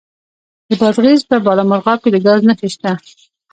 د بادغیس په بالامرغاب کې د ګاز نښې شته.